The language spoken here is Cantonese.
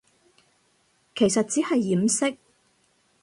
其實只係掩飾